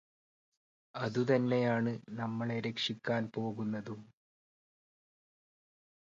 അതുതന്നെയാണ് നമ്മളെ രക്ഷിക്കാന് പോകുന്നതും